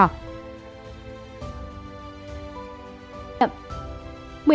cấp ba nguy cơ cao màu đỏ